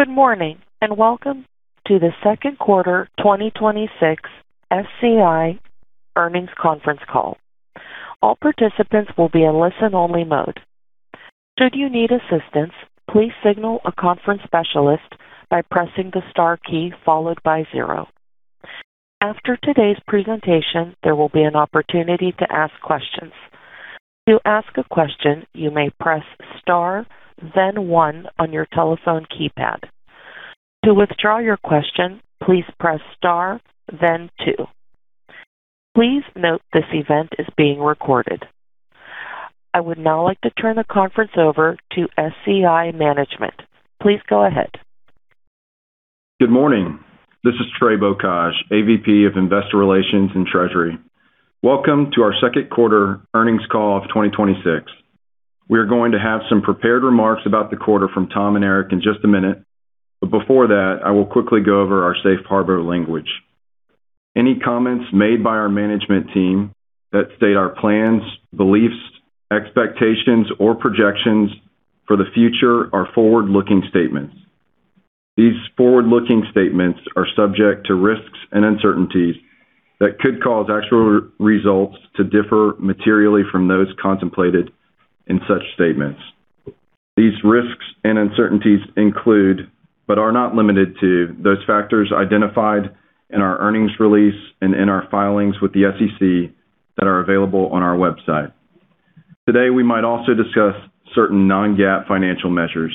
Good morning. Welcome to the second quarter 2026 SCI earnings conference call. All participants will be in listen-only mode. Should you need assistance, please signal a conference specialist by pressing the star key followed by zero. After today's presentation, there will be an opportunity to ask questions. To ask a question, you may press star then one on your telephone keypad. To withdraw your question, please press star then two. Please note this event is being recorded. I would now like to turn the conference over to SCI Management. Please go ahead. Good morning. This is Trey Bocage, AVP of Investor Relations and Treasury. Welcome to our second quarter earnings call of 2026. We are going to have some prepared remarks about the quarter from Tom and Eric in just a minute. Before that, I will quickly go over our safe harbor language. Any comments made by our management team that state our plans, beliefs, expectations, or projections for the future are forward-looking statements. These forward-looking statements are subject to risks and uncertainties that could cause actual results to differ materially from those contemplated in such statements. These risks and uncertainties include, but are not limited to, those factors identified in our earnings release and in our filings with the SEC that are available on our website. Today, we might also discuss certain non-GAAP financial measures.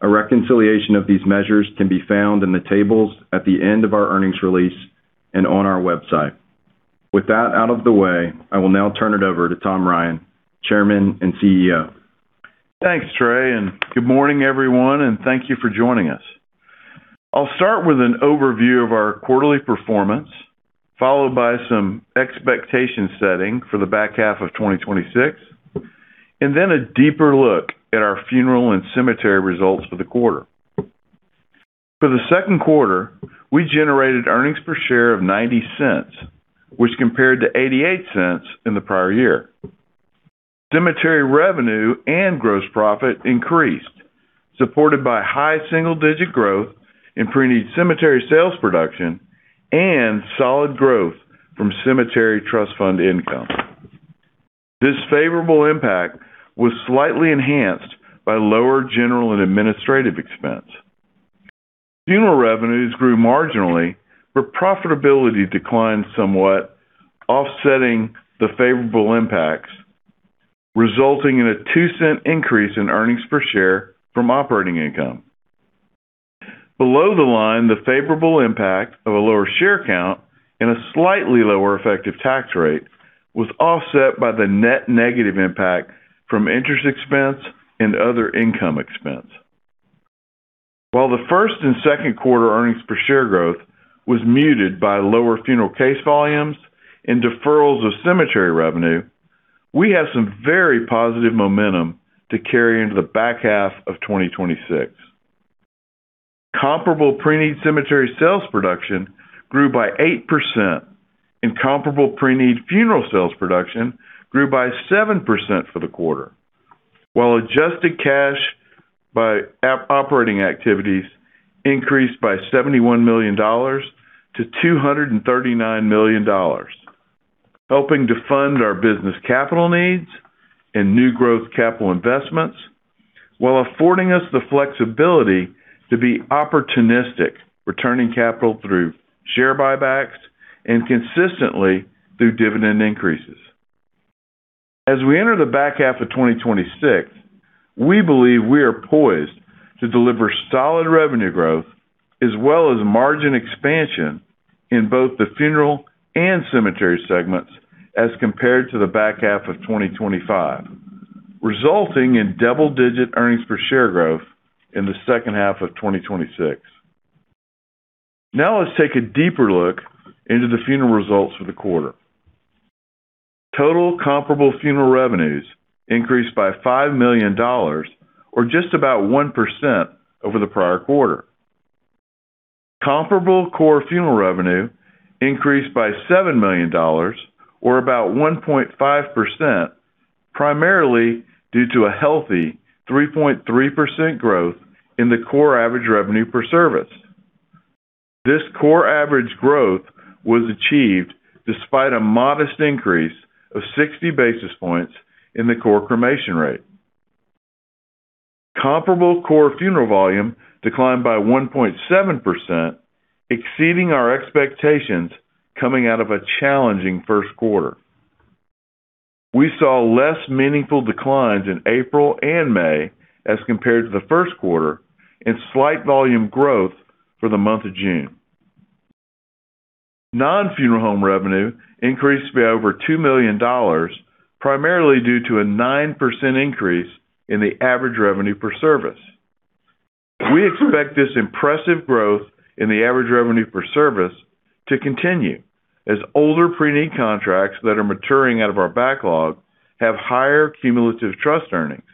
A reconciliation of these measures can be found in the tables at the end of our earnings release and on our website. With that out of the way, I will now turn it over to Tom Ryan, Chairman and CEO. Thanks, Trey. Good morning, everyone. Thank you for joining us. I'll start with an overview of our quarterly performance, followed by some expectation setting for the back half of 2026, then a deeper look at our funeral and cemetery results for the quarter. For the second quarter, we generated earnings per share of $0.90, which compared to $0.88 in the prior year. Cemetery revenue and gross profit increased, supported by high single-digit growth in preneed cemetery sales production and solid growth from cemetery trust fund income. This favorable impact was slightly enhanced by lower general and administrative expense. Funeral revenues grew marginally. Profitability declined somewhat, offsetting the favorable impacts, resulting in a $0.02 increase in earnings per share from operating income. Below the line, the favorable impact of a lower share count and a slightly lower effective tax rate was offset by the net negative impact from interest expense and other income expense. While the first and second quarter earnings per share growth was muted by lower funeral case volumes and deferrals of cemetery revenue, we have some very positive momentum to carry into the back half of 2026. Comparable pre-need cemetery sales production grew by 8% and comparable pre-need funeral sales production grew by 7% for the quarter, while adjusted cash by operating activities increased by $71 million to $239 million, helping to fund our business capital needs and new growth capital investments while affording us the flexibility to be opportunistic, returning capital through share buybacks and consistently through dividend increases. As we enter the back half of 2026, we believe we are poised to deliver solid revenue growth as well as margin expansion in both the funeral and cemetery segments as compared to the back half of 2025, resulting in double-digit earnings per share growth in the second half of 2026. Now let's take a deeper look into the funeral results for the quarter. Total comparable funeral revenues increased by $5 million or just about 1% over the prior quarter. Comparable core funeral revenue increased by $7 million or about 1.5%, primarily due to a healthy 3.3% growth in the core average revenue per service. This core average growth was achieved despite a modest increase of 60 basis points in the core cremation rate. Comparable core funeral volume declined by 1.7%, exceeding our expectations coming out of a challenging first quarter. We saw less meaningful declines in April and May as compared to the first quarter and slight volume growth for the month of June. Non-funeral home revenue increased by over $2 million, primarily due to a 9% increase in the average revenue per service. We expect this impressive growth in the average revenue per service to continue as older pre-need contracts that are maturing out of our backlog have higher cumulative trust earnings,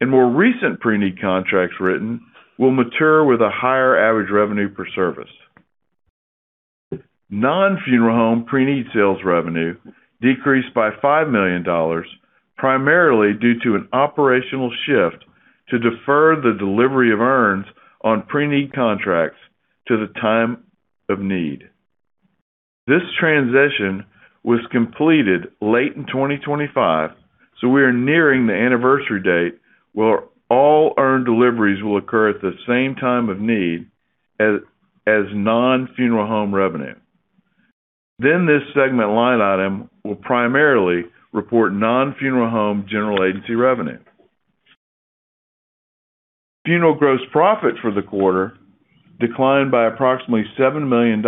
and more recent pre-need contracts written will mature with a higher average revenue per service. Non-funeral home pre-need sales revenue decreased by $5 million, primarily due to an operational shift to defer the delivery of urns on pre-need contracts to the time of need. This transition was completed late in 2025, so we are nearing the anniversary date where all urn deliveries will occur at the same time of need as non-funeral home revenue. This segment line item will primarily report non-funeral home general agency revenue. Funeral gross profit for the quarter declined by approximately $7 million,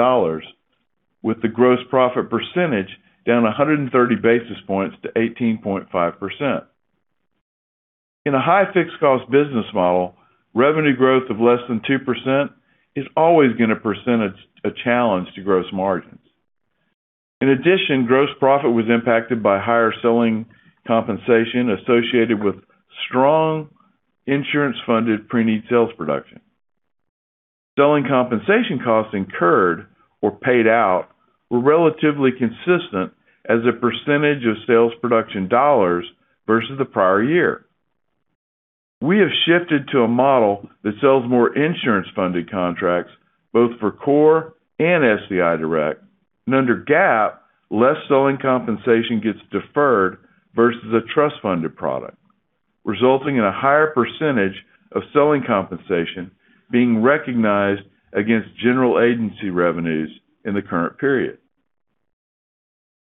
with the gross profit percentage down 130 basis points to 18.5%. In a high fixed cost business model, revenue growth of less than 2% is always going to present a challenge to gross margins. In addition, gross profit was impacted by higher selling compensation associated with strong insurance-funded pre-need sales production. Selling compensation costs incurred or paid out were relatively consistent as a percentage of sales production dollars versus the prior year. We have shifted to a model that sells more insurance-funded contracts, both for core and SCI Direct, and under GAAP, less selling compensation gets deferred versus a trust-funded product, resulting in a higher percentage of selling compensation being recognized against general agency revenues in the current period.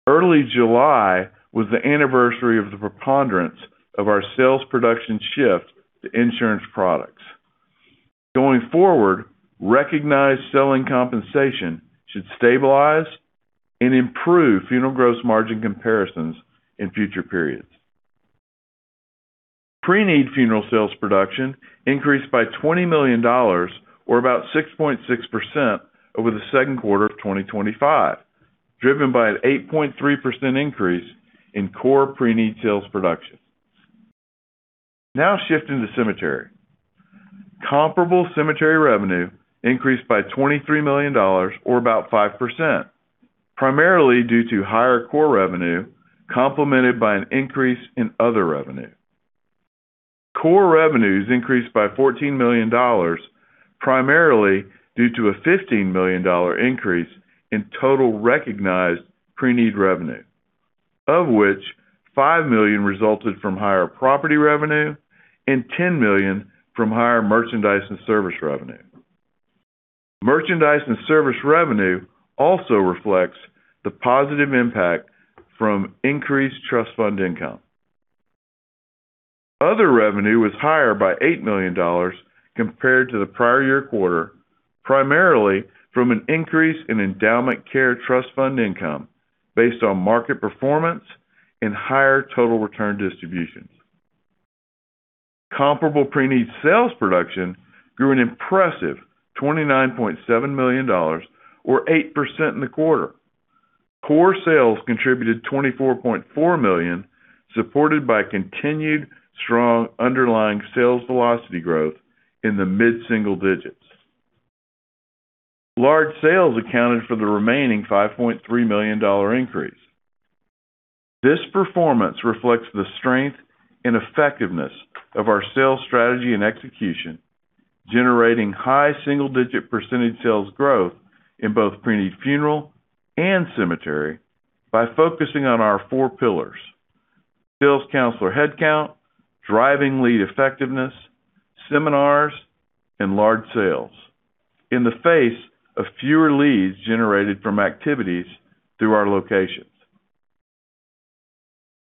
Early July was the anniversary of the preponderance of our sales production shift to insurance products. Going forward, recognized selling compensation should stabilize and improve funeral gross margin comparisons in future periods. Preneed funeral sales production increased by $20 million, or about 6.6% over the second quarter of 2025, driven by an 8.3% increase in core preneed sales production. Shifting to cemetery. Comparable cemetery revenue increased by $23 million or about 5%, primarily due to higher core revenue, complemented by an increase in other revenue. Core revenues increased by $14 million, primarily due to a $15 million increase in total recognized preneed revenue, of which $5 million resulted from higher property revenue and $10 million from higher merchandise and service revenue. Merchandise and service revenue also reflects the positive impact from increased trust fund income. Other revenue was higher by $8 million compared to the prior year quarter, primarily from an increase in endowment care trust fund income based on market performance and higher total return distributions. Comparable preneed sales production grew an impressive $29.7 million or 8% in the quarter. Core sales contributed $24.4 million, supported by continued strong underlying sales velocity growth in the mid-single digits. Large sales accounted for the remaining $5.3 million increase. This performance reflects the strength and effectiveness of our sales strategy and execution, generating high single-digit percentage sales growth in both preneed funeral and cemetery by focusing on our four pillars: sales counselor headcount, driving lead effectiveness, seminars, and large sales in the face of fewer leads generated from activities through our locations.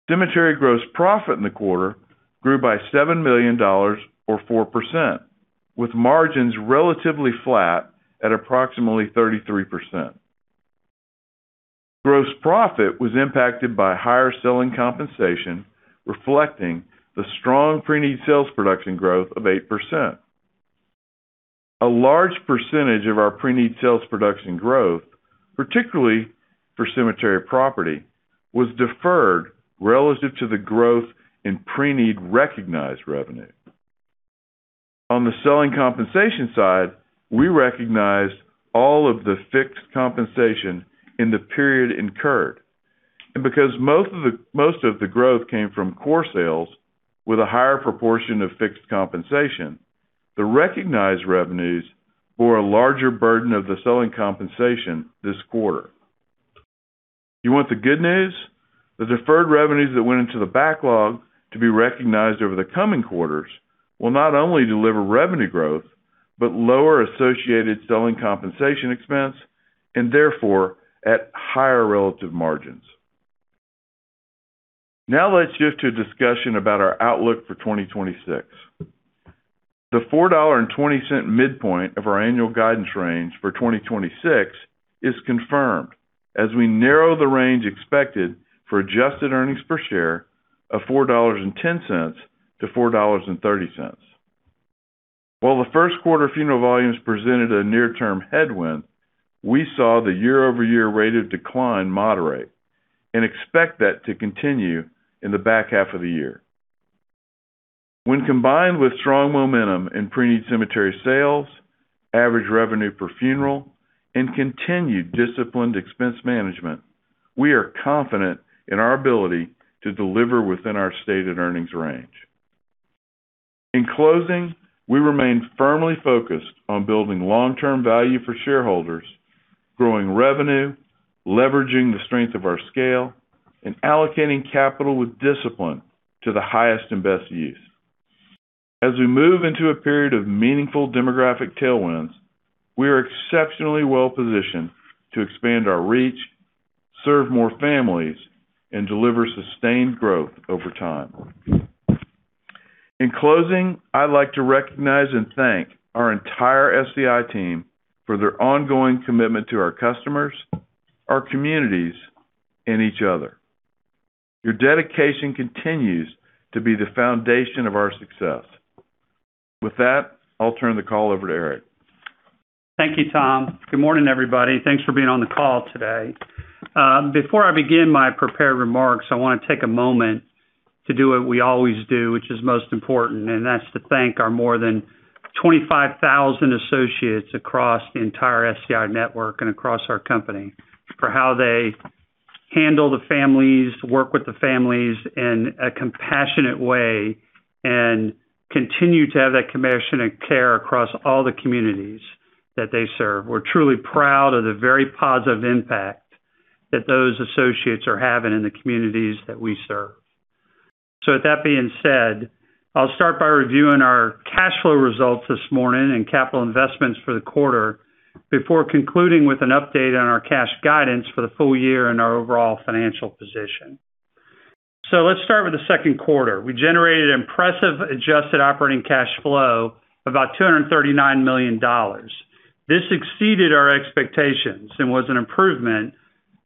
Cemetery gross profit in the quarter grew by $7 million or 4%, with margins relatively flat at approximately 33%. Gross profit was impacted by higher selling compensation, reflecting the strong preneed sales production growth of 8%. A large percentage of our preneed sales production growth, particularly for cemetery property, was deferred relative to the growth in preneed recognized revenue. On the selling compensation side, we recognized all of the fixed compensation in the period incurred. Because most of the growth came from core sales with a higher proportion of fixed compensation, the recognized revenues bore a larger burden of the selling compensation this quarter. You want the good news? The deferred revenues that went into the backlog to be recognized over the coming quarters will not only deliver revenue growth, but lower associated selling compensation expense, and therefore, at higher relative margins. Let's shift to a discussion about our outlook for 2026. The $4.20 midpoint of our annual guidance range for 2026 is confirmed as we narrow the range expected for adjusted earnings per share of $4.10-$4.30. While the first quarter funeral volumes presented a near-term headwind, we saw the year-over-year rate of decline moderate and expect that to continue in the back half of the year. When combined with strong momentum in preneed cemetery sales, average revenue per funeral, and continued disciplined expense management, we are confident in our ability to deliver within our stated earnings range. In closing, we remain firmly focused on building long-term value for shareholders, growing revenue, leveraging the strength of our scale, and allocating capital with discipline to the highest and best use. As we move into a period of meaningful demographic tailwinds, we are exceptionally well-positioned to expand our reach, serve more families, and deliver sustained growth over time. In closing, I'd like to recognize and thank our entire SCI team for their ongoing commitment to our customers, our communities, and each other. Your dedication continues to be the foundation of our success. With that, I'll turn the call over to Eric. Thank you, Tom. Good morning, everybody. Thanks for being on the call today. Before I begin my prepared remarks, I want to take a moment to do what we always do, which is most important, and that's to thank our more than 25,000 associates across the entire SCI network and across our company for how they handle the families, work with the families in a compassionate way, and continue to have that compassion and care across all the communities that they serve. We're truly proud of the very positive impact that those associates are having in the communities that we serve. With that being said, I'll start by reviewing our cash flow results this morning and capital investments for the quarter before concluding with an update on our cash guidance for the full year and our overall financial position. Let's start with the second quarter. We generated impressive adjusted operating cash flow of about $239 million. This exceeded our expectations and was an improvement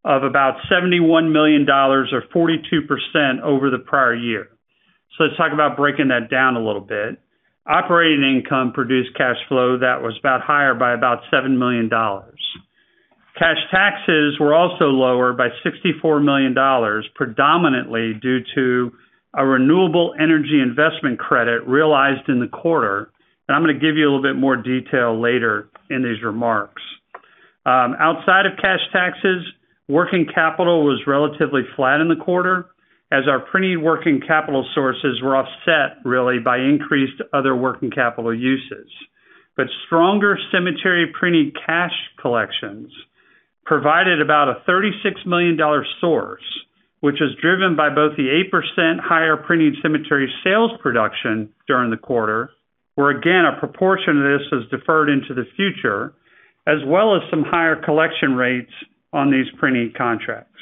of about $71 million or 42% over the prior year. Let's talk about breaking that down a little bit. Operating income produced cash flow that was about higher by about $7 million. Cash taxes were also lower by $64 million, predominantly due to a renewable energy investment credit realized in the quarter. I'm going to give you a little bit more detail later in these remarks. Outside of cash taxes, working capital was relatively flat in the quarter as our preneed working capital sources were offset really by increased other working capital uses. Stronger cemetery preneed cash collections provided about a $36 million source, which is driven by both the 8% higher preneed cemetery sales production during the quarter, where again, a proportion of this is deferred into the future, as well as some higher collection rates on these preneed contracts.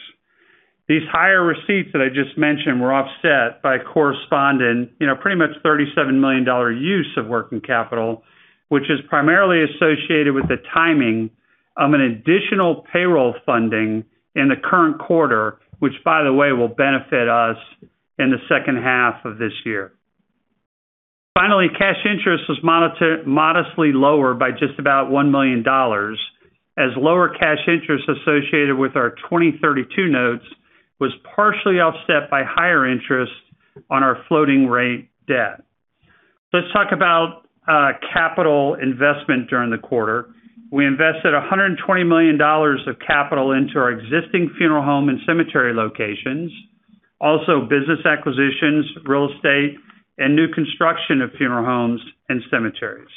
These higher receipts that I just mentioned were offset by a corresponding pretty much $37 million use of working capital, which is primarily associated with the timing of an additional payroll funding in the current quarter, which by the way, will benefit us in the second half of this year. Finally, cash interest was modestly lower by just about $1 million as lower cash interest associated with our 2032 notes was partially offset by higher interest on our floating rate debt. Let's talk about capital investment during the quarter. We invested $120 million of capital into our existing funeral home and cemetery locations. Also, business acquisitions, real estate, and new construction of funeral homes and cemeteries.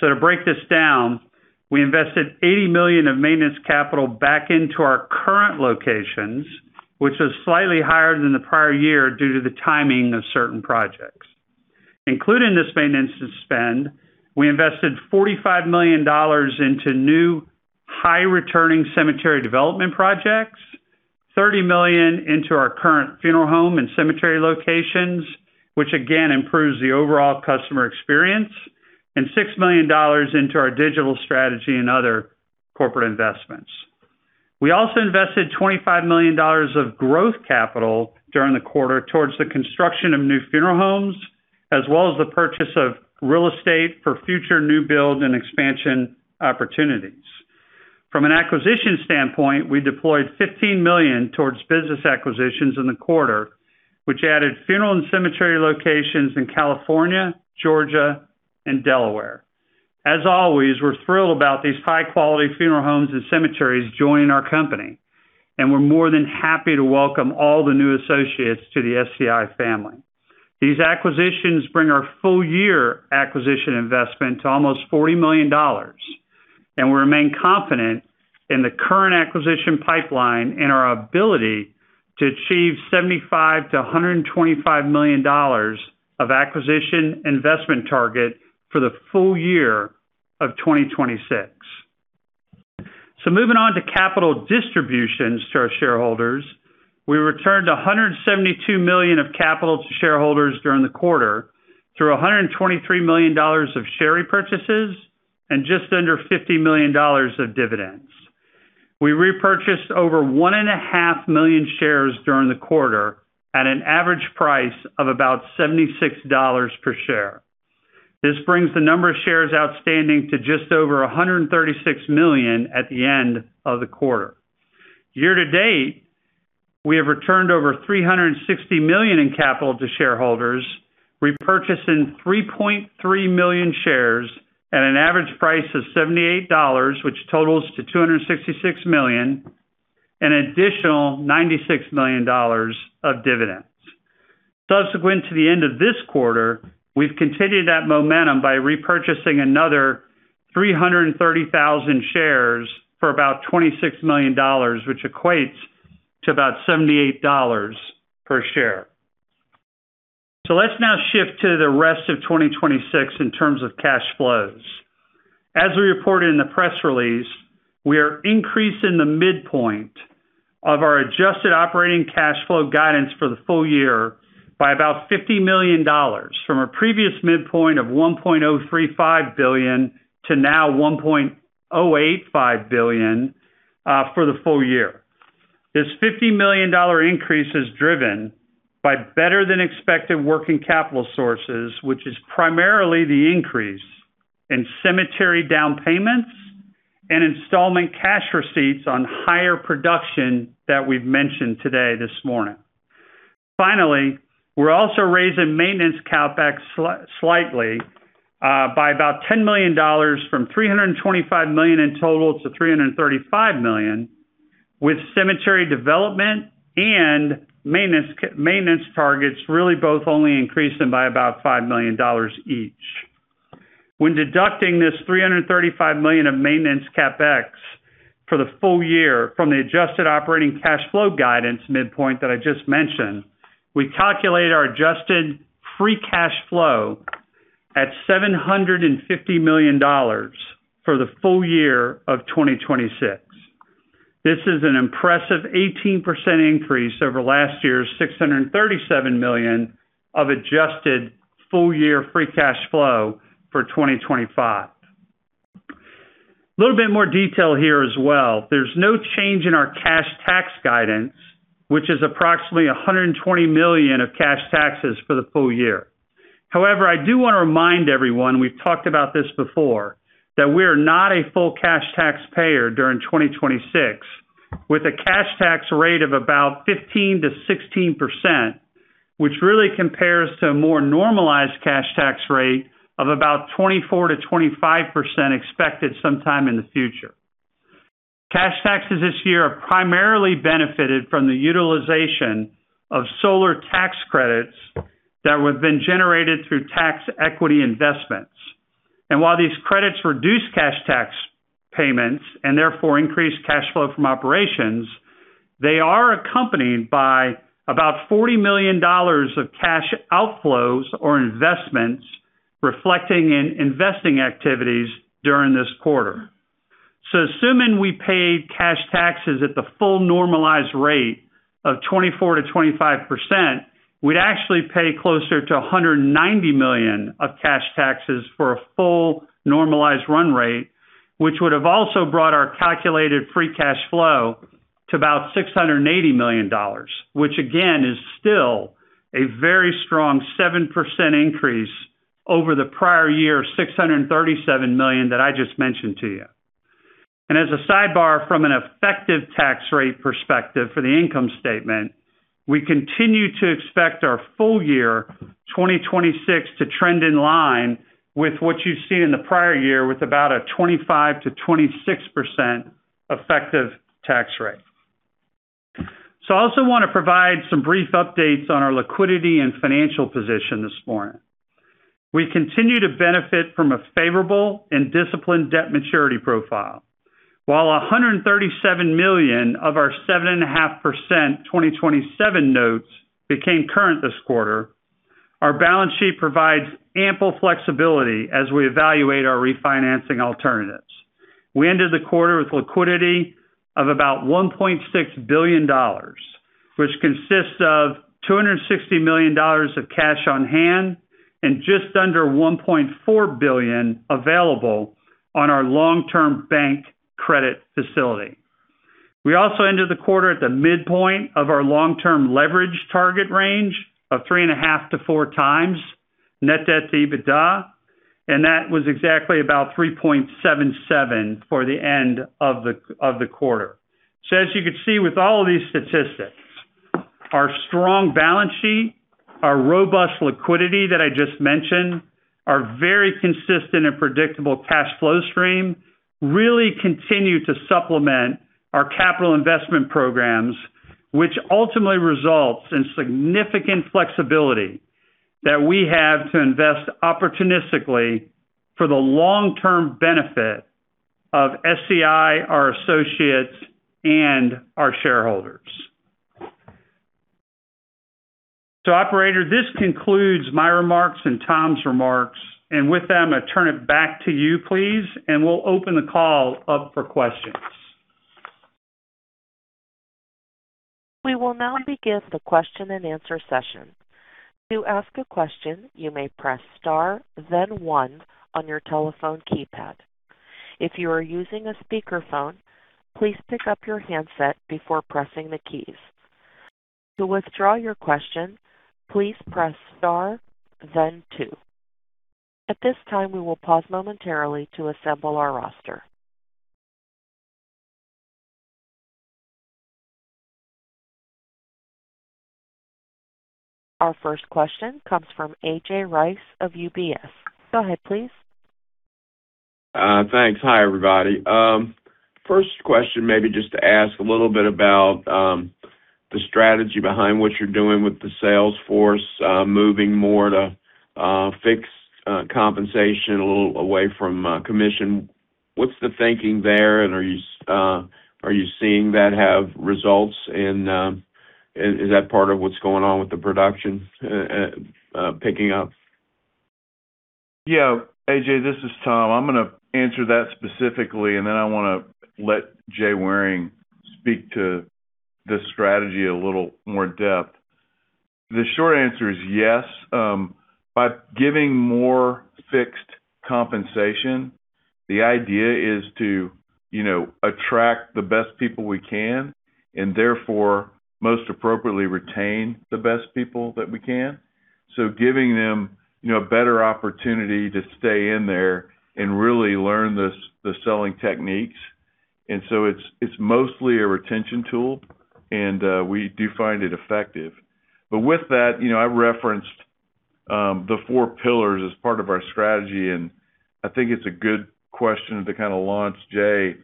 To break this down, we invested $80 million of maintenance capital back into our current locations, which is slightly higher than the prior year due to the timing of certain projects. Included in this maintenance spend, we invested $45 million into new high-returning cemetery development projects, $30 million into our current funeral home and cemetery locations, which again improves the overall customer experience, and $6 million into our digital strategy and other corporate investments. We also invested $25 million of growth capital during the quarter towards the construction of new funeral homes, as well as the purchase of real estate for future new build and expansion opportunities. From an acquisition standpoint, we deployed $15 million towards business acquisitions in the quarter, which added funeral and cemetery locations in California, Georgia, and Delaware. As always, we are thrilled about these high-quality funeral homes and cemeteries joining our company, and we are more than happy to welcome all the new associates to the SCI family. These acquisitions bring our full-year acquisition investment to almost $40 million, and we remain confident in the current acquisition pipeline and our ability to achieve $75 million-$125 million of acquisition investment target for the full year of 2026. Moving on to capital distributions to our shareholders. We returned $172 million of capital to shareholders during the quarter through $123 million of share repurchases and just under $50 million of dividends. We repurchased over 1.5 million shares during the quarter at an average price of about $76 per share. This brings the number of shares outstanding to just over 136 million at the end of the quarter. Year to date, we have returned over $360 million in capital to shareholders, repurchasing 3.3 million shares at an average price of $78, which totals to $266 million, an additional $96 million of dividends. Subsequent to the end of this quarter, we have continued that momentum by repurchasing another 330,000 shares for about $26 million, which equates to about $78 per share. Let's now shift to the rest of 2026 in terms of cash flows. As we reported in the press release, we are increasing the midpoint of our adjusted operating cash flow guidance for the full year by about $50 million from a previous midpoint of $1.035 billion to now $1.085 billion for the full year. This $50 million increase is driven by better than expected working capital sources, which is primarily the increase in cemetery down payments and installment cash receipts on higher production that we have mentioned today this morning. Finally, we are also raising maintenance CapEx slightly by about $10 million from $325 million in total to $335 million with cemetery development and maintenance targets really both only increasing by about $5 million each. When deducting this $335 million of maintenance CapEx for the full year from the adjusted operating cash flow guidance midpoint that I just mentioned, we calculate our adjusted free cash flow at $750 million for the full year of 2026. This is an impressive 18% increase over last year's $637 million of adjusted full year free cash flow for 2025. A little bit more detail here as well. There's no change in our cash tax guidance, which is approximately $120 million of cash taxes for the full year. I do want to remind everyone, we've talked about this before, that we are not a full cash taxpayer during 2026, with a cash tax rate of about 15%-16%, which really compares to a more normalized cash tax rate of about 24%-25% expected sometime in the future. Cash taxes this year are primarily benefited from the utilization of solar tax credits that have been generated through tax equity investments. While these credits reduce cash tax payments and therefore increase cash flow from operations, they are accompanied by about $40 million of cash outflows or investments reflecting in investing activities during this quarter. Assuming we paid cash taxes at the full normalized rate of 24%-25%, we'd actually pay closer to $190 million of cash taxes for a full normalized run rate, which would have also brought our calculated free cash flow to about $680 million. Which again, is still a very strong 7% increase over the prior year $637 million that I just mentioned to you. As a sidebar from an effective tax rate perspective for the income statement, we continue to expect our full year 2026 to trend in line with what you've seen in the prior year with about a 25%-26% effective tax rate. I also want to provide some brief updates on our liquidity and financial position this morning. We continue to benefit from a favorable and disciplined debt maturity profile. While $137 million of our 7.5% 2027 notes became current this quarter, our balance sheet provides ample flexibility as we evaluate our refinancing alternatives. We ended the quarter with liquidity of about $1.6 billion, which consists of $260 million of cash on hand and just under $1.4 billion available on our long-term bank credit facility. We also ended the quarter at the midpoint of our long-term leverage target range of 3.5x to 4x net debt to EBITDA, and that was exactly about 3.77 for the end of the quarter. As you can see with all of these statistics, our strong balance sheet, our robust liquidity that I just mentioned, our very consistent and predictable cash flow stream really continue to supplement our capital investment programs, which ultimately results in significant flexibility that we have to invest opportunistically for the long-term benefit of SCI, our associates, and our shareholders. Operator, this concludes my remarks and Tom's remarks, and with them, I turn it back to you, please, and we'll open the call up for questions. We will now begin the question and answer session. To ask a question, you may press star then one on your telephone keypad. If you are using a speakerphone, please pick up your handset before pressing the keys. To withdraw your question, please press star then two. At this time, we will pause momentarily to assemble our roster. Our first question comes from A.J. Rice of UBS. Go ahead, please. Thanks. Hi, everybody. First question, maybe just to ask a little bit about the strategy behind what you're doing with the sales force, moving more to fixed compensation, a little away from commission. What's the thinking there, are you seeing that have results and is that part of what's going on with the production picking up? Yeah. A.J., this is Tom. I'm going to answer that specifically, then I want to let Jay Waring speak to this strategy a little more depth. The short answer is yes. By giving more fixed compensation, the idea is to attract the best people we can and therefore most appropriately retain the best people that we can. Giving them a better opportunity to stay in there and really learn the selling techniques. It's mostly a retention tool, and we do find it effective. With that, I referenced the four pillars as part of our strategy, and I think it's a good question to kind of launch Jay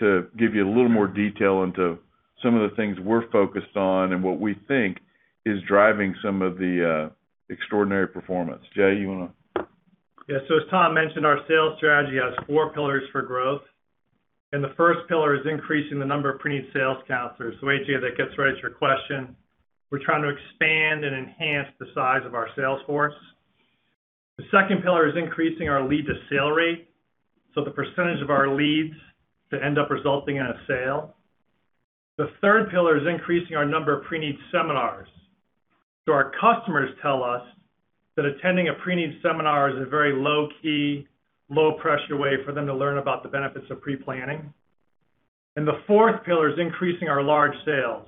to give you a little more detail into some of the things we're focused on and what we think is driving some of the extraordinary performance. Jay, you want to? Yeah. As Tom mentioned, our sales strategy has four pillars for growth, and the first pillar is increasing the number of preneed sales counselors. A.J., that gets right at your question. We're trying to expand and enhance the size of our sales force. The second pillar is increasing our lead-to-sale rate, so the percentage of our leads that end up resulting in a sale. The third pillar is increasing our number of preneed seminars. Our customers tell us that attending a preneed seminar is a very low-key, low-pressure way for them to learn about the benefits of pre-planning. The fourth pillar is increasing our large sales.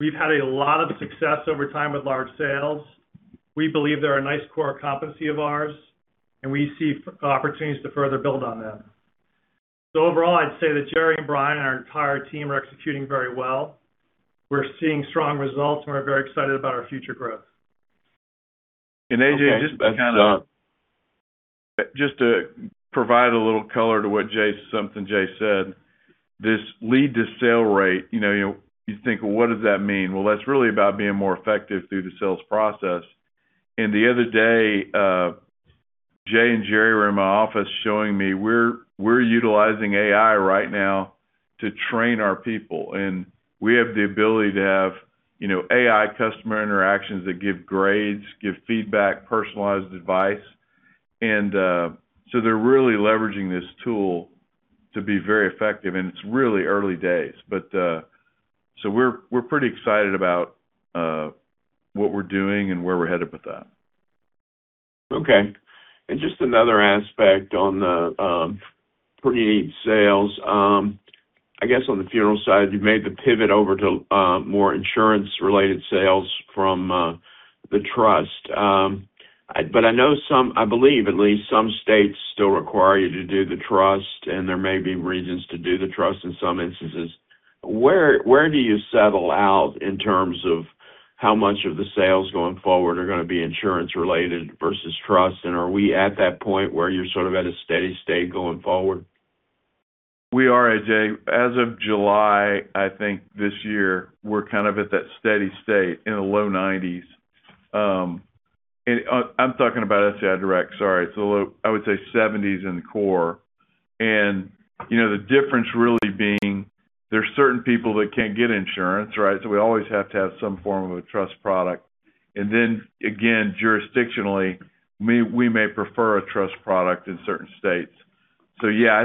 We've had a lot of success over time with large sales. We believe they're a nice core competency of ours, and we see opportunities to further build on them. Overall, I'd say that Jerry and Brian and our entire team are executing very well. We're seeing strong results, and we're very excited about our future growth. A.J. Okay, thanks, Tom. just to provide a little color to something Jay said, this lead-to-sale rate, you think, well, what does that mean? Well, that's really about being more effective through the sales process. The other day, Jay and Jerry were in my office showing me we're utilizing AI right now to train our people, and we have the ability to have AI customer interactions that give grades, give feedback, personalized advice. They're really leveraging this tool to be very effective, and it's really early days. We're pretty excited about what we're doing and where we're headed with that. Just another aspect on the preneed sales. I guess on the funeral side, you've made the pivot over to more insurance-related sales from the trust. I know some, I believe at least some states still require you to do the trust, and there may be reasons to do the trust in some instances. Where do you settle out in terms of how much of the sales going forward are going to be insurance-related versus trust, and are we at that point where you're sort of at a steady state going forward? We are, A.J. As of July, I think this year, we're kind of at that steady state in the low 90s. I'm talking about SCI Direct, sorry. It's a little, I would say 70s in the core. The difference really being there's certain people that can't get insurance, right? We always have to have some form of a trust product. Then again, jurisdictionally, we may prefer a trust product in certain states. Yeah,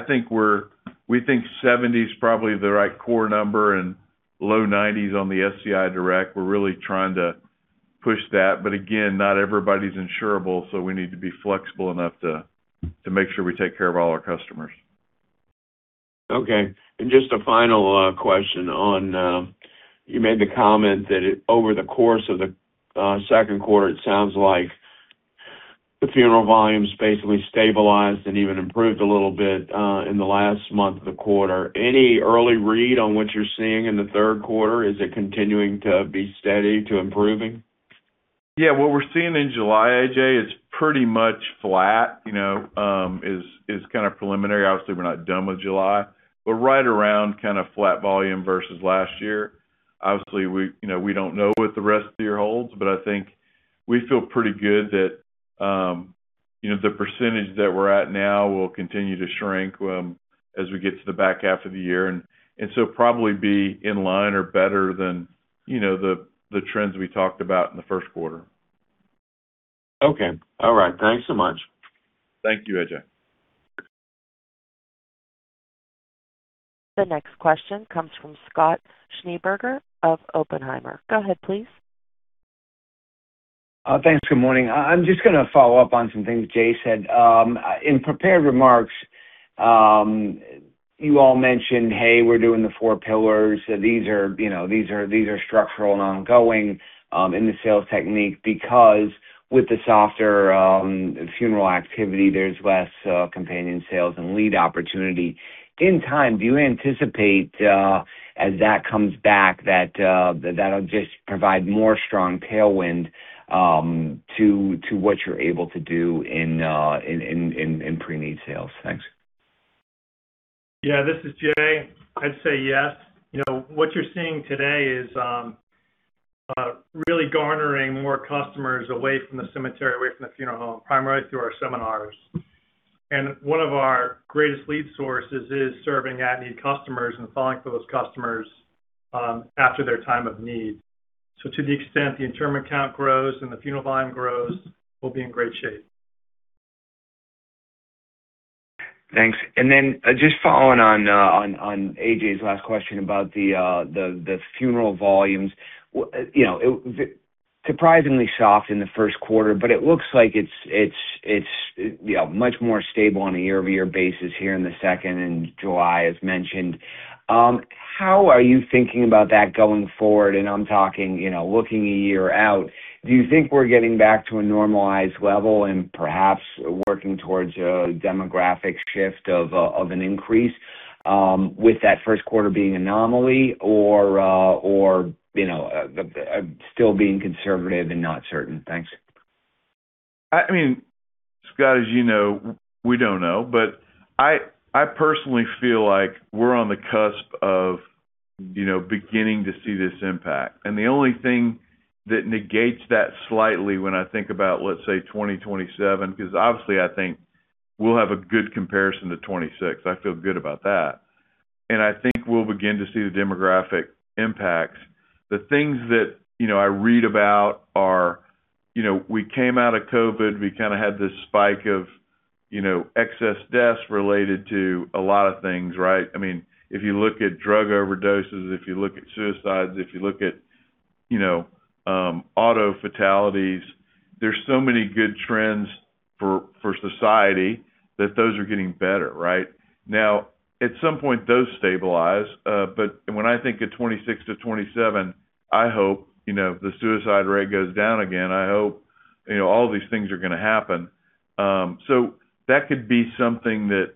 we think 70s probably the right core number and low 90s on the SCI Direct. We're really trying to push that, but again, not everybody's insurable, so we need to be flexible enough to make sure we take care of all our customers. Just a final question on, you made the comment that over the course of the second quarter, it sounds like the funeral volumes basically stabilized and even improved a little bit in the last month of the quarter. Any early read on what you're seeing in the third quarter? Is it continuing to be steady to improving? Yeah. What we're seeing in July, A.J., is pretty much flat, is kind of preliminary. Obviously, we're not done with July, but right around kind of flat volume versus last year. Obviously, we don't know what the rest of the year holds, but I think we feel pretty good that the percentage that we're at now will continue to shrink as we get to the back half of the year. Probably be in line or better than the trends we talked about in the first quarter. Okay. All right. Thanks so much. Thank you, A.J. The next question comes from Scott Schneeberger of Oppenheimer. Go ahead, please. Thanks. Good mornin`g. I'm just going to follow up on some things Jay said. In prepared remarks, you all mentioned, hey, we're doing the four pillars. These are structural and ongoing in the sales technique because with the softer funeral activity, there's less companion sales and lead opportunity. In time, do you anticipate, as that comes back, that'll just provide more strong tailwind to what you're able to do in preneed sales? Thanks. This is Jay. I'd say yes. What you're seeing today is really garnering more customers away from the cemetery, away from the funeral home, primarily through our seminars. One of our greatest lead sources is serving at-need customers and following up with those customers after their time of need. To the extent the interment count grows and the funeral volume grows, we'll be in great shape. Thanks. Following on A.J.'s last question about the funeral volumes. Surprisingly soft in the first quarter, but it looks like it's much more stable on a year-over-year basis here in the second and July, as mentioned. How are you thinking about that going forward? I'm talking, looking a year out. Do you think we're getting back to a normalized level and perhaps working towards a demographic shift of an increase with that first quarter being anomaly or still being conservative and not certain? Thanks. Scott, as you know, we don't know, but I personally feel like we're on the cusp of beginning to see this impact. The only thing that negates that slightly when I think about, let's say, 2027, because obviously, I think we'll have a good comparison to 2026. I feel good about that. I think we'll begin to see the demographic impacts. The things that I read about are, we came out of COVID, we kind of had this spike of excess deaths related to a lot of things, right? If you look at drug overdoses, if you look at suicides, if you look at auto fatalities, there's so many good trends for society that those are getting better, right? At some point, those stabilize, but when I think of 2026 to 2027, I hope the suicide rate goes down again. I hope all these things are going to happen. That could be something that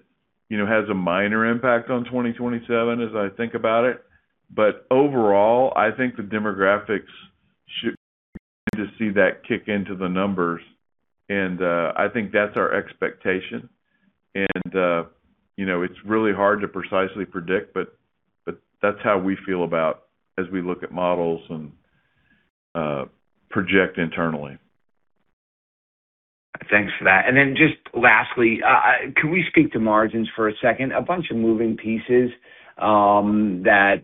has a minor impact on 2027 as I think about it. Overall, I think the demographics should just see that kick into the numbers, and I think that's our expectation. It's really hard to precisely predict, but that's how we feel about as we look at models and project internally. Thanks for that. Just lastly, can we speak to margins for a second? A bunch of moving pieces that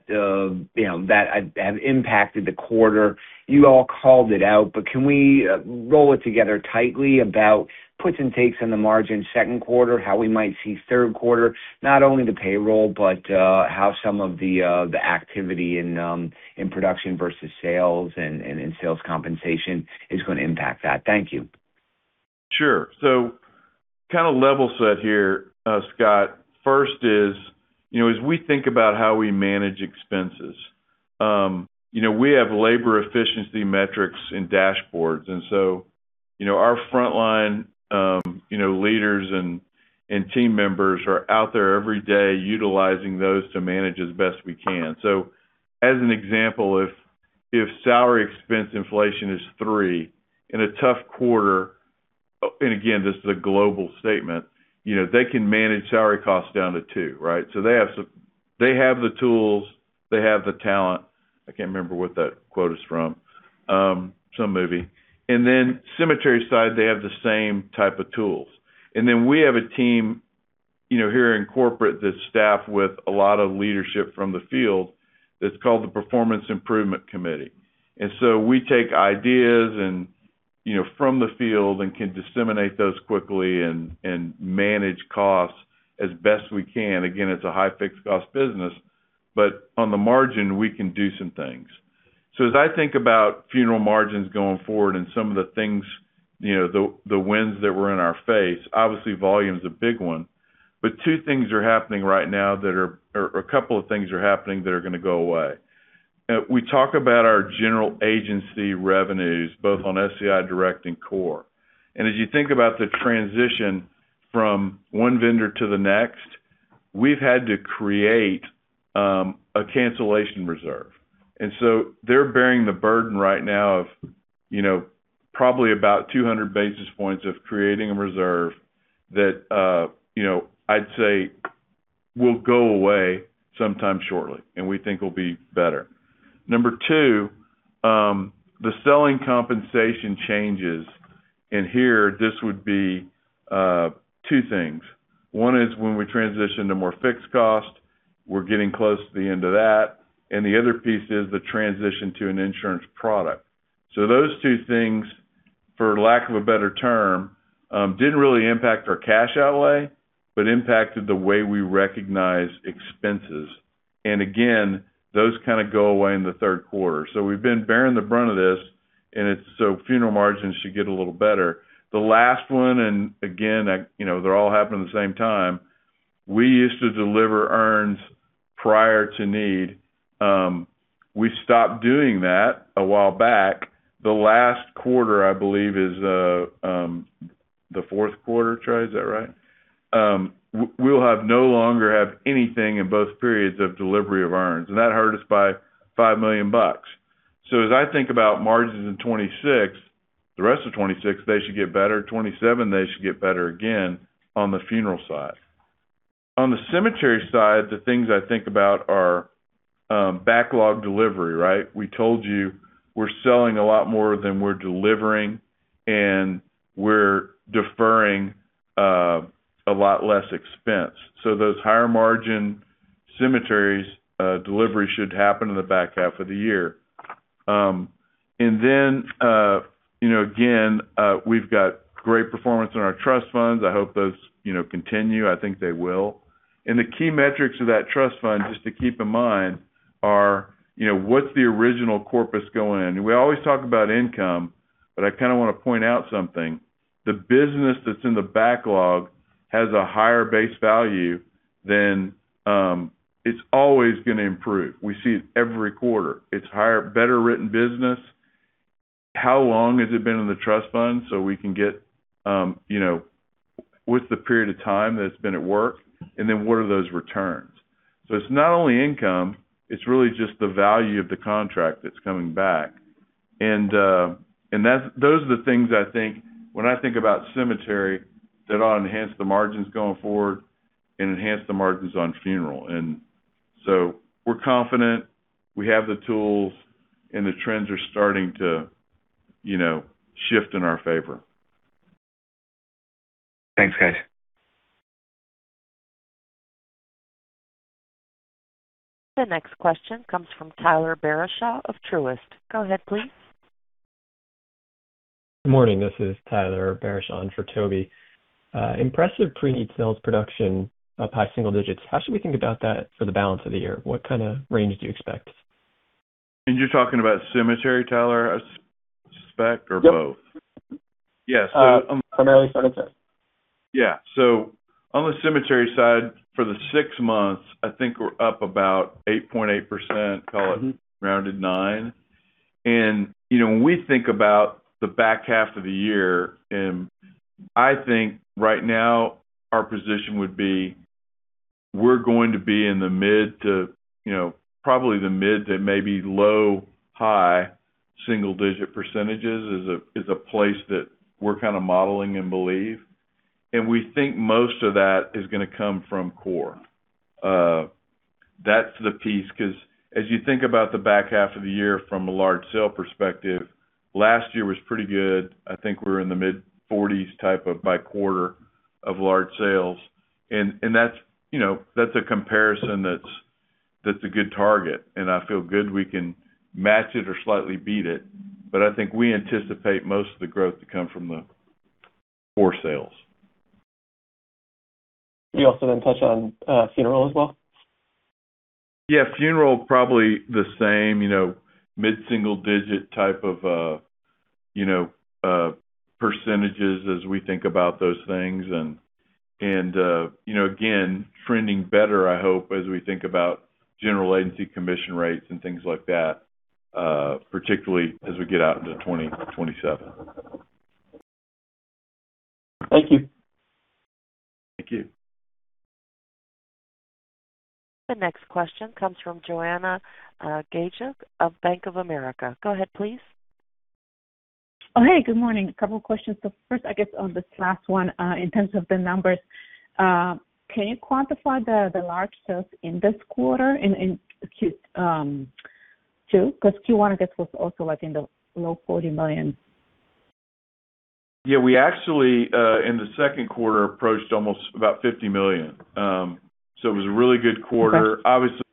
have impacted the quarter. You all called it out, but can we roll it together tightly about puts and takes on the margin second quarter, how we might see third quarter, not only the payroll, but how some of the activity in production versus sales and in sales compensation is going to impact that? Thank you. Sure. Kind of level set here, Scott. First is, as we think about how we manage expenses, we have labor efficiency metrics and dashboards. Our frontline leaders and team members are out there every day utilizing those to manage as best we can. As an example, if salary expense inflation is three in a tough quarter, again, this is a global statement, they can manage salary costs down to two, right? They have the tools, they have the talent. I can't remember what that quote is from. Some movie. Cemetery side, they have the same type of tools. We have a team here in corporate that's staffed with a lot of leadership from the field that's called the Performance Improvement Committee. We take ideas from the field and can disseminate those quickly and manage costs as best we can. Again, it's a high fixed cost business, but on the margin, we can do some things. As I think about funeral margins going forward and some of the things, the winds that were in our face, obviously, volume is a big one. Two things are happening right now that are a couple of things are happening that are going to go away. We talk about our general agency revenues, both on SCI Direct and Core. As you think about the transition from one vendor to the next, we've had to create a cancellation reserve. They're bearing the burden right now of probably about 200 basis points of creating a reserve that, I'd say, will go away sometime shortly, and we think will be better. Number two, the selling compensation changes, here this would be two things. one is when we transition to more fixed cost, we're getting close to the end of that, and the other piece is the transition to an insurance product. Those 2 things, for lack of a better term, didn't really impact our cash outlay, but impacted the way we recognize expenses. Again, those kind of go away in the third quarter. We've been bearing the brunt of this, funeral margins should get a little better. The last one, again, they're all happening at the same time, we used to deliver urns prior to need. We stopped doing that a while back. The last quarter, I believe, is the fourth quarter, Trey, is that right? We'll no longer have anything in both periods of delivery of urns, and that hurt us by $5 million. As I think about margins in 2026, the rest of 2026, they should get better. 2027, they should get better again on the funeral side. On the cemetery side, the things I think about are backlog delivery, right? We told you we're selling a lot more than we're delivering, and we're deferring a lot less expense. Those higher-margin cemeteries delivery should happen in the back half of the year. Then again, we've got great performance in our trust funds. I hope those continue. I think they will. The key metrics of that trust fund, just to keep in mind, are what's the original corpus going in? We always talk about income, but I kind of want to point out something. The business that's in the backlog has a higher base value, it's always going to improve. We see it every quarter. It's better-written business. How long has it been in the trust fund, what's the period of time that it's been at work? Then what are those returns? It's not only income, it's really just the value of the contract that's coming back. Those are the things when I think about cemetery, that ought to enhance the margins going forward and enhance the margins on funeral. We're confident, we have the tools, and the trends are starting to shift in our favor. Thanks, guys. The next question comes from Tyler Barishaw of Truist. Go ahead, please. Good morning. This is Tyler Barishaw for Tobey. Impressive pre-need sales production, up high single digits. How should we think about that for the balance of the year? What kind of range do you expect? You're talking about cemetery, Tyler, I suspect? Or both? Yep. Yeah. Primarily cemetery. Yeah. On the cemetery side, for the six months, I think we're up about 8.8%, call it rounded 9%. When we think about the back half of the year, I think right now our position would be, we're going to be probably the mid to maybe low high single-digit percentages, is a place that we're kind of modeling and believe. We think most of that is going to come from core. That's the piece, because as you think about the back half of the year from a large sale perspective, last year was pretty good. I think we were in the mid-40s type of by quarter of large sales. That's a comparison that's a good target, and I feel good we can match it or slightly beat it. I think we anticipate most of the growth to come from the core sales. You also touch on funeral as well? Yeah, funeral, probably the same, mid-single digit type of percentages as we think about those things. Again, trending better, I hope, as we think about general agency commission rates and things like that, particularly as we get out into 2027. Thank you. Thank you. The next question comes from Joanna Gajuk of Bank of America. Go ahead, please. Hey, good morning. A couple questions. First, I guess on this last one, in terms of the numbers, can you quantify the large sales in this quarter, in Q2? Because Q1, I guess, was also like in the low $40 million. Yeah, we actually, in the second quarter, approached almost about $50 million. It was a really good quarter. Okay. Obviously,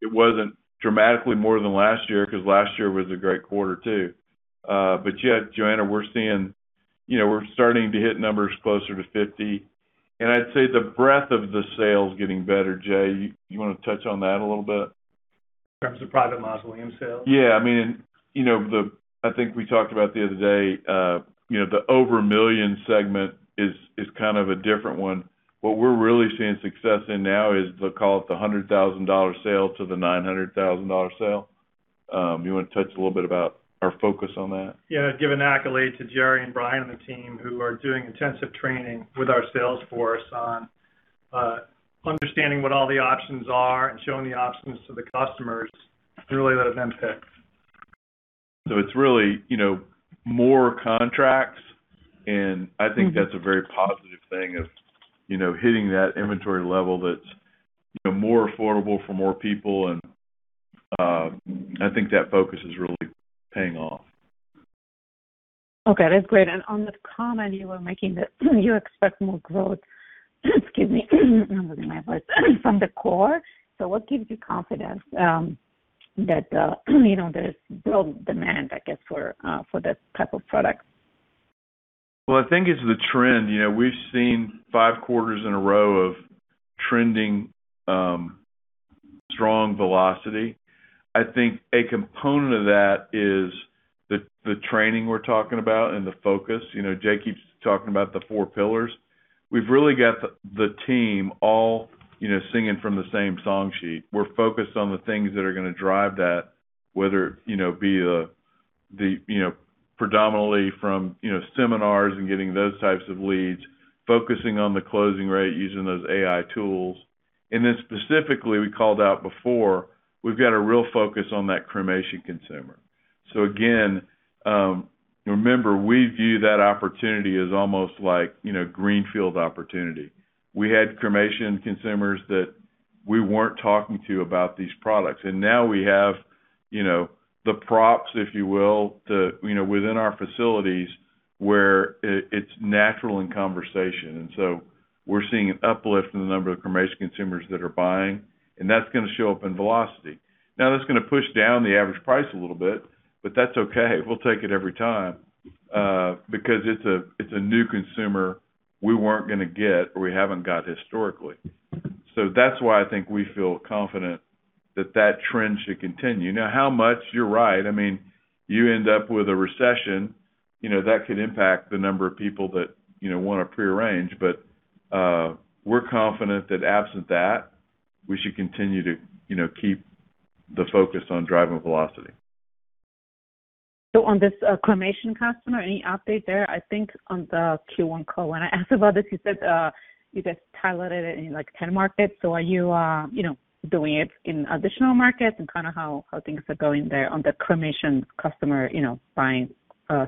it wasn't dramatically more than last year, because last year was a great quarter, too. Yeah, Joanna, we're starting to hit numbers closer to 50, and I'd say the breadth of the sales getting better. Jay, you want to touch on that a little bit? In terms of private mausoleum sales? Yeah. I think we talked about the other day, the over a million segment is kind of a different one. What we're really seeing success in now is, call it the $100,000 sale to the $900,000 sale. You want to touch a little bit about our focus on that? Yeah, give an accolade to Jerry and Brian and the team who are doing intensive training with our sales force on understanding what all the options are and showing the options to the customers to really let them pick. It's really more contracts, and I think that's a very positive thing of hitting that inventory level that's more affordable for more people, and I think that focus is really paying off. Okay, that's great. On the comment you were making that you expect more growth, excuse me, I'm losing my voice, from the core. What gives you confidence that there's growth demand, I guess, for this type of product? Well, I think it's the trend. We've seen five quarters in a row of trending strong velocity. I think a component of that is the training we're talking about and the focus. Jay keeps talking about the four pillars. We've really got the team all singing from the same song sheet. We're focused on the things that are going to drive that, whether it be predominantly from seminars and getting those types of leads, focusing on the closing rate using those AI tools, and then specifically, we called out before, we've got a real focus on that cremation consumer. Again, remember, we view that opportunity as almost like greenfield opportunity. We had cremation consumers that we weren't talking to about these products. Now we have the props, if you will, within our facilities, where it's natural in conversation. We're seeing an uplift in the number of cremation consumers that are buying, and that's going to show up in velocity. Now, that's going to push down the average price a little bit, but that's okay. We'll take it every time, because it's a new consumer we weren't going to get or we haven't got historically. That's why I think we feel confident that that trend should continue. Now how much, you're right. You end up with a recession, that could impact the number of people that want to prearrange. We're confident that absent that, we should continue to keep the focus on driving velocity. On this cremation customer, any update there? I think on the Q1 call, when I asked about this, you said you just piloted it in 10 markets. Are you doing it in additional markets, and kind of how things are going there on the cremation customer buying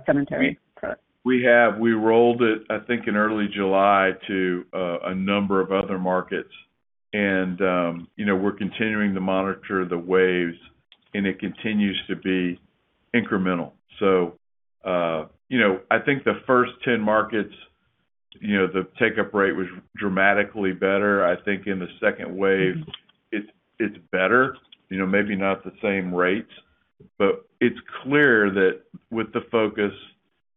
cemetery product? We have. We rolled it, I think, in early July to a number of other markets. We're continuing to monitor the waves, and it continues to be incremental. I think the first 10 markets, the take-up rate was dramatically better. I think in the second wave, it's better, maybe not the same rate. It's clear that with the focus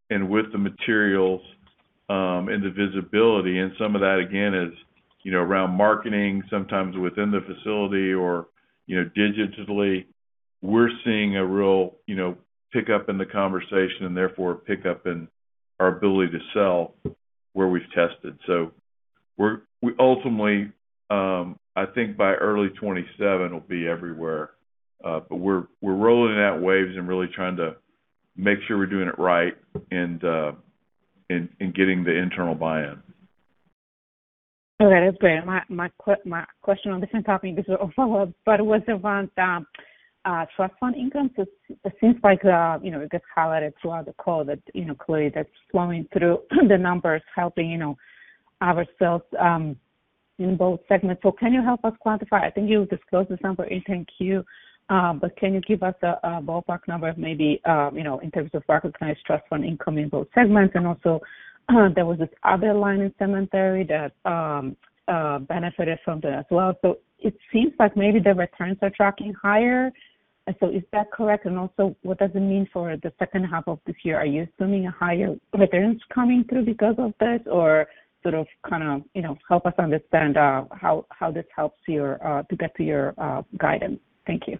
and with the materials and the visibility, and some of that again, is around marketing, sometimes within the facility or digitally, we're seeing a real pickup in the conversation and therefore a pickup in our ability to sell where we've tested. We ultimately, I think by early 2027, it'll be everywhere. We're rolling it out in waves and really trying to make sure we're doing it right and getting the internal buy-in. All right. That's great. My question on different topic, this is a follow-up, it was around trust fund income. It seems like, it gets highlighted throughout the call that clearly that's flowing through the numbers, helping our sales in both segments. Can you help us quantify? I think you disclosed this number in 10-Q, but can you give us a ballpark number of maybe in terms of recognized trust fund income in both segments? Also, there was this other line in cemetery that benefited from that as well. It seems like maybe the returns are tracking higher. Is that correct? Also, what does it mean for the second half of this year? Are you assuming higher returns coming through because of this? Sort of help us understand how this helps to get to your guidance. Thank you.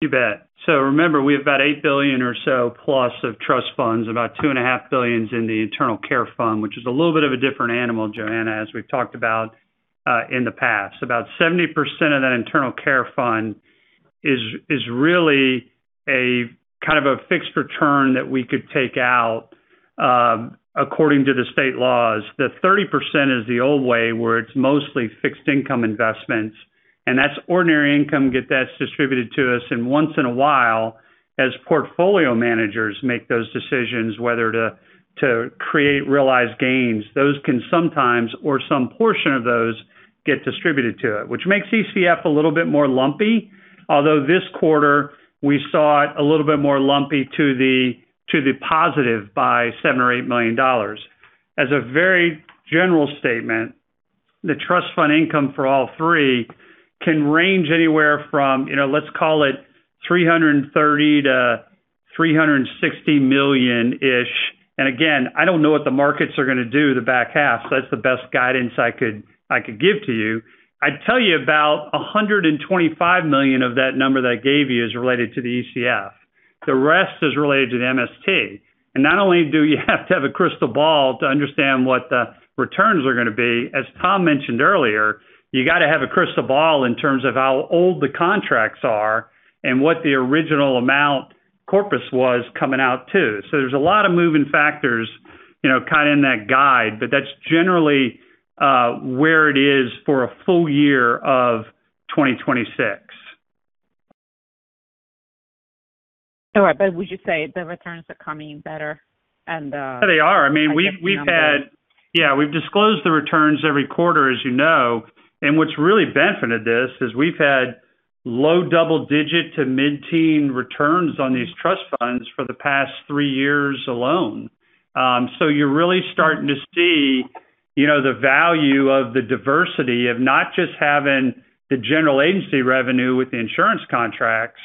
You bet. Remember, we have about $8 billion or so plus of trust funds, about $2.5 billion is in the internal care fund, which is a little bit of a different animal, Joanna, as we've talked about in the past. About 70% of that internal care fund is really a kind of a fixed return that we could take out, according to the state laws. The 30% is the old way, where it's mostly fixed income investments, and that's ordinary income, get that distributed to us. Once in a while, as portfolio managers make those decisions whether to create realized gains, those can sometimes, or some portion of those, get distributed to it, which makes ECF a little bit more lumpy. Although this quarter, we saw it a little bit more lumpy to the positive by $7 million or $8 million. As a very general statement, the trust fund income for all three can range anywhere from, let's call it, $330 million-$360 million-ish. Again, I don't know what the markets are going to do the back half. That's the best guidance I could give to you. I'd tell you about $125 million of that number that I gave you is related to the ECF. The rest is related to the MST. Not only do you have to have a crystal ball to understand what the returns are going to be, as Tom mentioned earlier, you got to have a crystal ball in terms of how old the contracts are and what the original amount corpus was coming out, too. There's a lot of moving factors, kind of in that guide, but that's generally where it is for a full year of 2026. All right. Would you say the returns are coming in better. They are. We've disclosed the returns every quarter, as you know, and what's really benefited this is we've had low double-digit to mid-teen returns on these trust funds for the past three years alone. You're really starting to see the value of the diversity of not just having the general agency revenue with the insurance contracts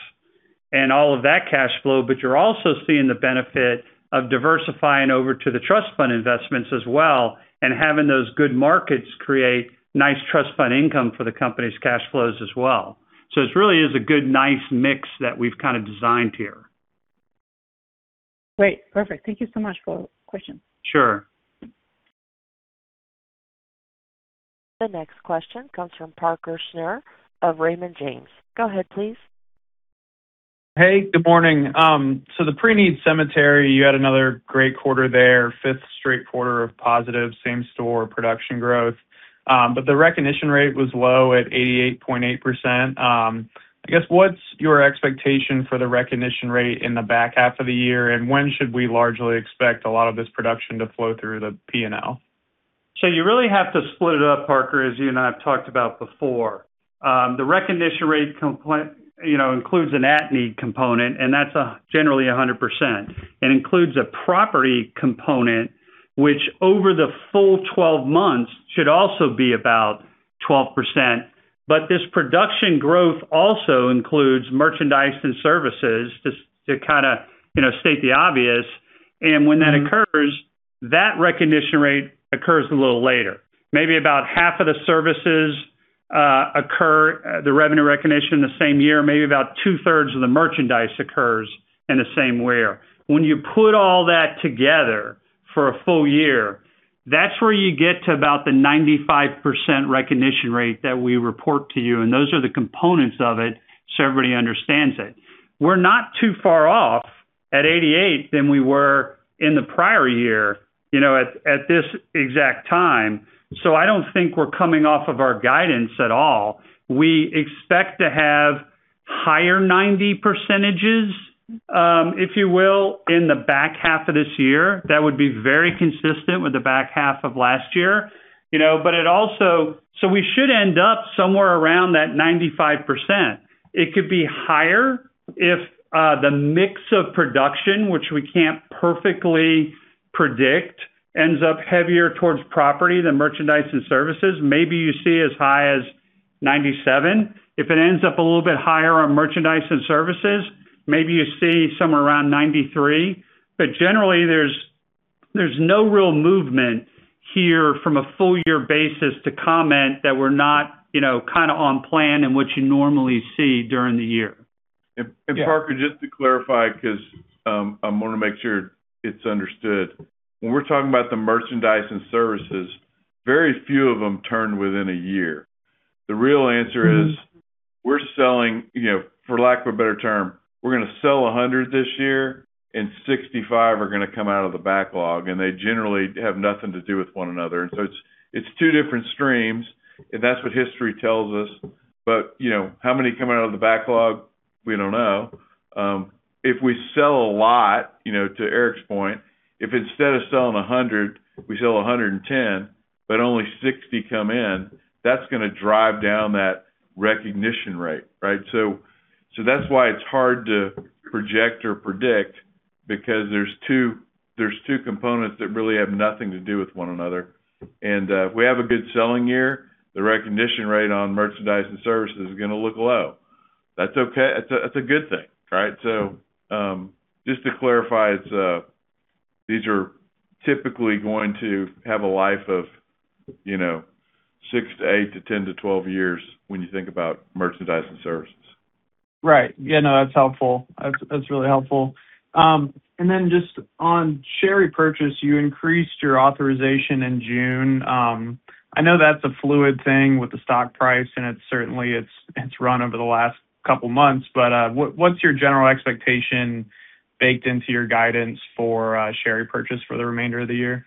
and all of that cash flow, but you're also seeing the benefit of diversifying over to the trust fund investments as well and having those good markets create nice trust fund income for the company's cash flows as well. It really is a good, nice mix that we've designed here. Great. Perfect. Thank you so much for questions. Sure. The next question comes from Parker Snure of Raymond James. Go ahead, please. Hey, good morning. The preneed cemetery, you had another great quarter there, fifth straight quarter of positive same-store production growth. The recognition rate was low at 88.8%. I guess, what's your expectation for the recognition rate in the back half of the year, and when should we largely expect a lot of this production to flow through the P&L? You really have to split it up, Parker, as you and I have talked about before. The recognition rate includes an at-need component, and that's generally 100%. It includes a property component, which over the full 12 months should also be about 12%. This production growth also includes merchandise and services, just to state the obvious. When that occurs, that recognition rate occurs a little later. Maybe about half of the services occur, the revenue recognition, the same year, maybe about two-thirds of the merchandise occurs in the same year. When you put all that together for a full year, that's where you get to about the 95% recognition rate that we report to you, and those are the components of it, so everybody understands it. We're not too far off at 88 than we were in the prior year, at this exact time. I don't think we're coming off of our guidance at all. We expect to have higher 90%, if you will, in the back half of this year. That would be very consistent with the back half of last year. We should end up somewhere around that 95%. It could be higher if the mix of production, which we can't perfectly predict, ends up heavier towards property than merchandise and services. Maybe you see as high as 97. If it ends up a little bit higher on merchandise and services, maybe you see somewhere around 93. Generally, there's no real movement here from a full-year basis to comment that we're not on plan in which you normally see during the year. Parker, just to clarify, because I want to make sure it's understood. When we're talking about the merchandise and services, very few of them turn within a year. The real answer is we're selling, for lack of a better term, we're going to sell 100 this year, and 65 are going to come out of the backlog, and they generally have nothing to do with one another. It's two different streams, and that's what history tells us. How many coming out of the backlog? We don't know. If we sell a lot, to Eric's point, if instead of selling 100, we sell 110, but only 60 come in, that's going to drive down that recognition rate, right? That's why it's hard to project or predict, because there's two components that really have nothing to do with one another. If we have a good selling year, the recognition rate on merchandise and services is going to look low. That's okay. That's a good thing, right? Just to clarify, these are typically going to have a life of six to eight to 10 to 12 years when you think about merchandise and services. Right. Yeah, no, that's helpful. That's really helpful. Then just on share repurchase, you increased your authorization in June. I know that's a fluid thing with the stock price, and it's certainly, it's run over the last couple of months, what's your general expectation baked into your guidance for share repurchase for the remainder of the year?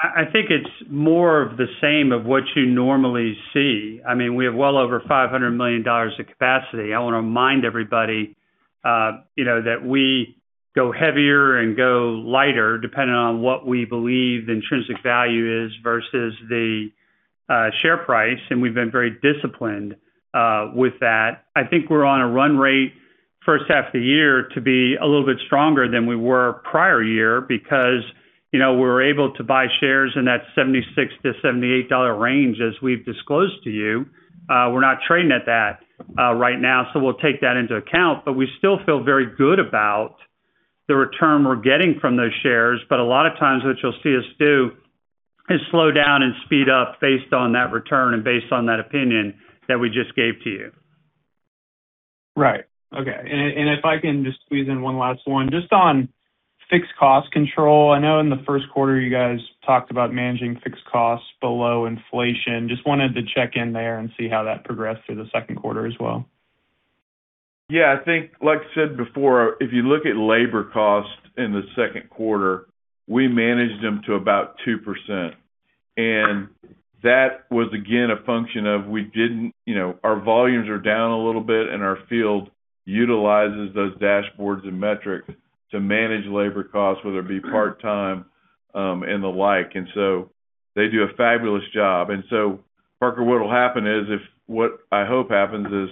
I think it's more of the same of what you normally see. We have well over $500 million of capacity. I want to remind everybody that we go heavier and go lighter depending on what we believe the intrinsic value is versus the share price, and we've been very disciplined with that. I think we're on a run rate first half of the year to be a little bit stronger than we were prior year because we were able to buy shares in that $76-$78 range as we've disclosed to you. We're not trading at that right now, we'll take that into account, we still feel very good about the return we're getting from those shares. A lot of times what you'll see us do is slow down and speed up based on that return and based on that opinion that we just gave to you. Right. Okay. If I can just squeeze in one last one, just on fixed cost control. I know in the first quarter, you guys talked about managing fixed costs below inflation. Just wanted to check in there and see how that progressed through the second quarter as well. Yeah, I think, like I said before, if you look at labor costs in the second quarter, we managed them to about 2%. That was, again, a function of our volumes are down a little bit, and our field utilizes those dashboards and metrics to manage labor costs, whether it be part-time, and the like. They do a fabulous job. Parker, what will happen is, what I hope happens is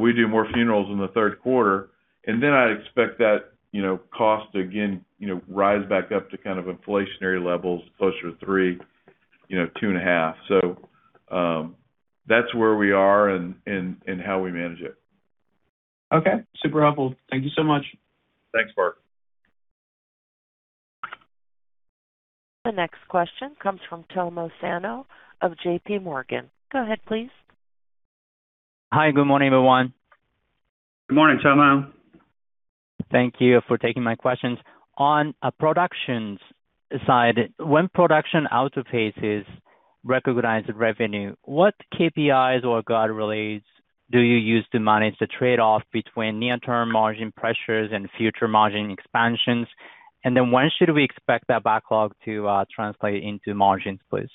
we do more funerals in the third quarter, then I expect that cost again rise back up to inflationary levels closer to three. 2.5. That's where we are and how we manage it. Okay. Super helpful. Thank you so much. Thanks, Parker. The next question comes from Tomo Sano of JPMorgan. Go ahead, please. Hi. Good morning, everyone. Good morning, Tomo. Thank you for taking my questions. On a productions side, when production outpaces recognized revenue, what KPIs or guardrails do you use to manage the trade-off between near-term margin pressures and future margin expansions? When should we expect that backlog to translate into margins, please?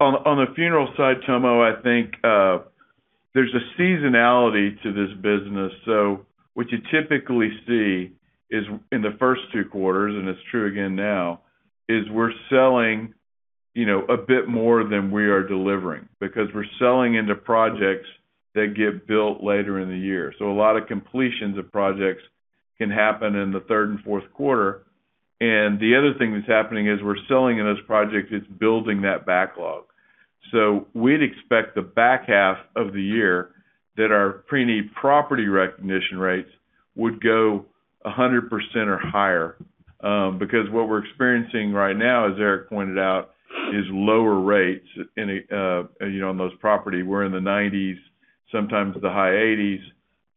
On the funeral side, Tomo, I think there's a seasonality to this business. What you typically see is in the first two quarters, and it's true again now, is we're selling a bit more than we are delivering, because we're selling into projects that get built later in the year. A lot of completions of projects can happen in the third and fourth quarter. The other thing that's happening is we're selling in those projects, it's building that backlog. We'd expect the back half of the year that our pre-need property recognition rates would go 100% or higher. Because what we're experiencing right now, as Eric pointed out, is lower rates on those property. We're in the nineties, sometimes the high eighties,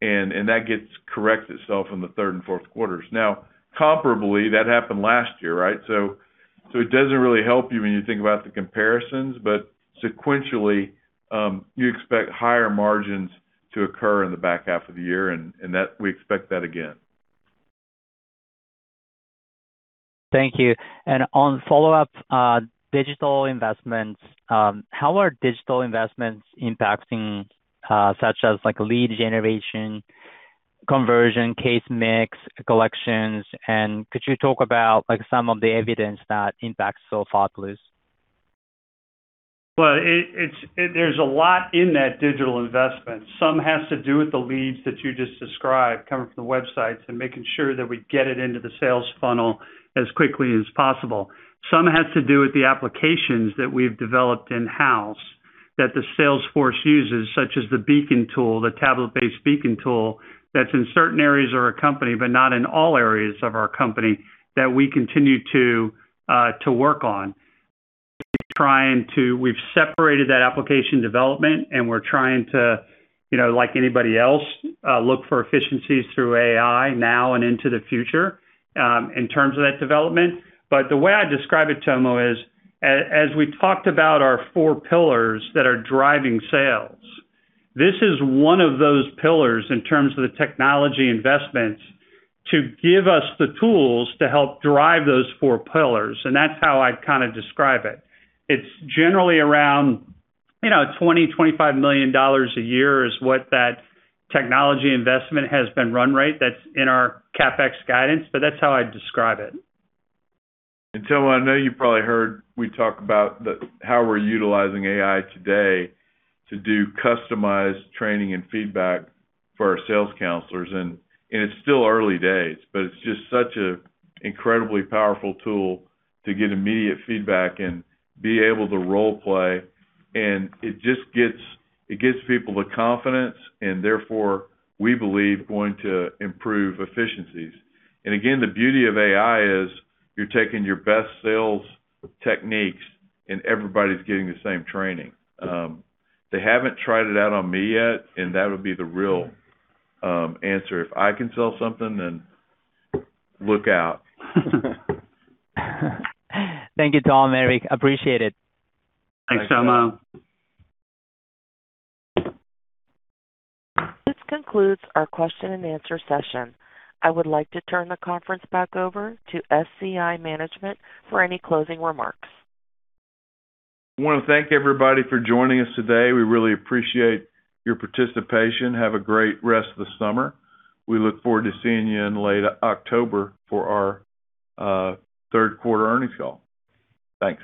and that gets corrects itself in the third and fourth quarters. Now, comparably, that happened last year. It doesn't really help you when you think about the comparisons, but sequentially, you expect higher margins to occur in the back half of the year, and we expect that again. Thank you. On follow-up, digital investments, how are digital investments impacting, such as lead generation, conversion, case mix, collections, and could you talk about some of the evidence that impacts so far, please? There's a lot in that digital investment. Some has to do with the leads that you just described, coming from the websites, and making sure that we get it into the sales funnel as quickly as possible. Some has to do with the applications that we've developed in-house that the sales force uses, such as the Beacon tool, the tablet-based Beacon tool, that's in certain areas of our company, but not in all areas of our company, that we continue to work on. We've separated that application development, we're trying to, like anybody else, look for efficiencies through AI now and into the future in terms of that development. The way I describe it, Tomo, is, as we talked about our four pillars that are driving sales, this is one of those pillars in terms of the technology investments to give us the tools to help drive those four pillars, and that's how I'd describe it. It's generally around $20 million-$25 million a year is what that technology investment has been run rate. That's in our CapEx guidance, that's how I'd describe it. Tomo, I know you probably heard we talk about how we're utilizing AI today to do customized training and feedback for our sales counselors, it's still early days, but it's just such an incredibly powerful tool to get immediate feedback and be able to role-play. It gives people the confidence, therefore, we believe, going to improve efficiencies. Again, the beauty of AI is you're taking your best sales techniques and everybody's getting the same training. They haven't tried it out on me yet, that would be the real answer. If I can sell something, look out. Thank you, Tom, Eric. Appreciate it. Thanks, Tomo. Thanks, Tomo. This concludes our question and answer session. I would like to turn the conference back over to SCI Management for any closing remarks. I want to thank everybody for joining us today. We really appreciate your participation. Have a great rest of the summer. We look forward to seeing you in late October for our third quarter earnings call. Thanks.